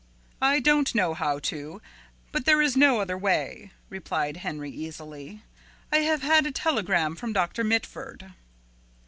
"I don't know how to, but there is no other way," replied Henry easily. "I have had a telegram from Dr. Mitford."